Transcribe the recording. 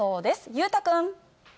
裕太君。